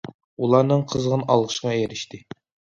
ئۇلارنىڭ قىزغىن ئالقىشىغا ئېرىشتى.